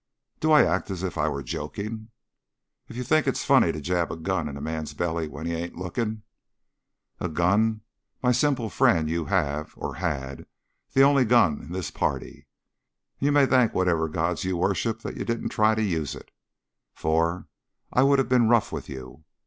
"Do I act as if I were joking?" "If you think it's funny to jab a gun in a man's belly when he ain't lookin' " "A gun? My simple friend, you have or had the only gun in this party, and you may thank whatever gods you worship that you didn't try to use it, for I would have been rough with you.